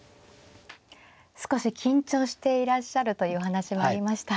少し緊張していらっしゃるというお話もありました。